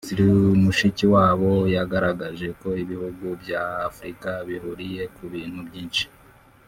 Minisitiri Mushikiwabo yagaragaje ko ibihugu bya Afurika bihuriye ku bintu byinshi